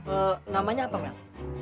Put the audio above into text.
eh namanya apa mel